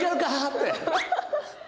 って。